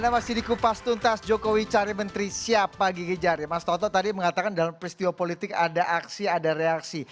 mas toto tadi mengatakan dalam peristiwa politik ada aksi ada reaksi